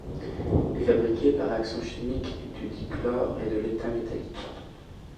Il est fabriqué par réaction chimique du dichlore et de l'étain métallique.